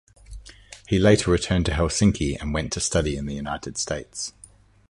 He later returned to Helsinki and went to study in the United States.